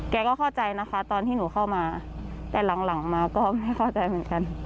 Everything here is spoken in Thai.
ก็เข้าใจนะคะตอนที่หนูเข้ามาแต่หลังมาก็ไม่เข้าใจเหมือนกัน